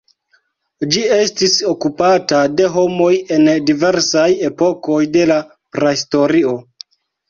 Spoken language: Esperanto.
Ĝi estis okupata de homoj en diversaj epokoj de la Prahistorio.